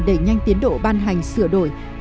để nhanh tiến độ ban hành sửa đổi